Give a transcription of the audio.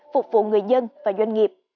phục vụ người dân và doanh nghiệp